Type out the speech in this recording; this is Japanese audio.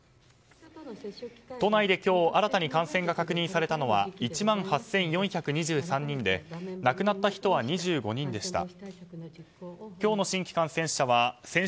都内で今日新たに感染が確認されたのは１万８４２３人で亡くなった人は２５人でした。